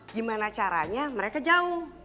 gimana caranya mereka jauh